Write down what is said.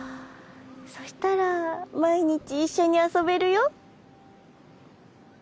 そしたら毎日一緒に遊べるよ。